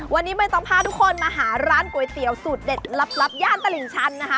วันนี้ไม่ต้องพาทุกคนมาหาร้านก๋วยเตี๋ยวสูตรเด็ดลับย่านตลิ่งชันนะคะ